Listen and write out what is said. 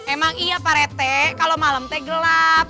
emang iya parete kalau malam teh gelap